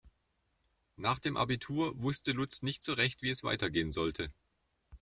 Nach dem Abitur wusste Lutz nicht so recht, wie es weitergehen sollte.